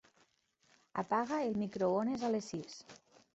Apaga el microones a les sis.